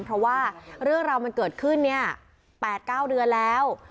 เพราะว่าเรื่องราวมันเกิดขึ้นเนี่ย๘๙เดือนแล้ว